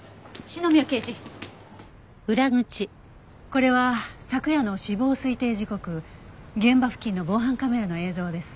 これは昨夜の死亡推定時刻現場付近の防犯カメラの映像です。